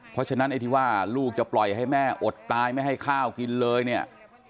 เพราะฉะนั้นไอ้ที่ว่าลูกจะปล่อยให้แม่อดตายไม่ให้ข้าวกินเลยเนี่ย